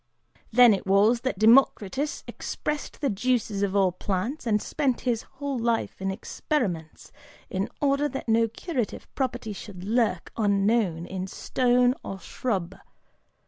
Then it was that Democritus expressed the juices of all plants and spent his whole life in experiments, in order that no curative property should lurk unknown in stone or shrub.